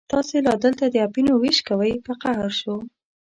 تاسې لا دلته د اپینو وېش کوئ، په قهر شو.